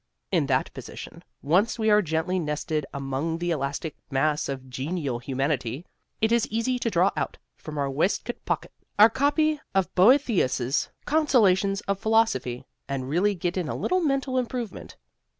In that position, once we are gently nested among the elastic mass of genial humanity, it is easy to draw out from our waistcoat pocket our copy of Boethius's "Consolations of Philosophy" and really get in a little mental improvement.